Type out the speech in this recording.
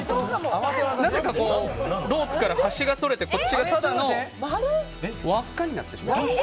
なぜかロープから端が取れてこっちがただの輪っかになってしまう。